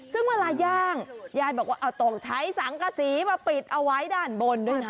ซึ่งเวลาย่างยายบอกว่าต้องใช้สังกษีมาปิดเอาไว้ด้านบนด้วยนะ